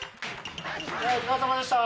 お疲れさまでした。